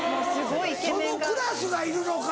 同級生にそのクラスがいるのか。